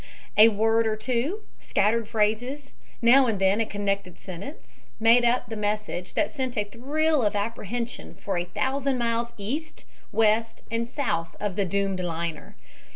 A word or two, scattered phrases, now and then a connected sentence, made up the message that sent a thrill of apprehension for a thousand miles east, west and south of the doomed liner.